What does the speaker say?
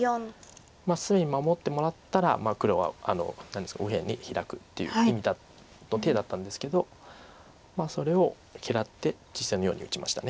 隅守ってもらったら黒は何ですか右辺にヒラくっていう手だったんですけどそれを嫌って実戦のように打ちました。